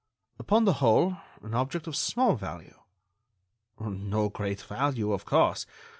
"Upon the whole, an object of small value." "No great value, of course.